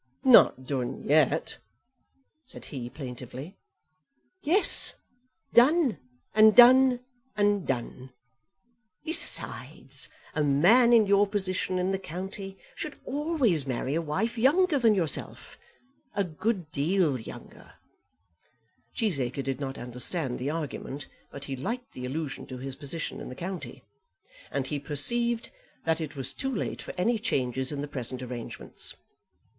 "Not done yet," said he plaintively. "Yes; done, and done, and done. Besides, a man in your position in the county should always marry a wife younger than yourself, a good deal younger." Cheesacre did not understand the argument, but he liked the allusion to his position in the county, and he perceived that it was too late for any changes in the present arrangements.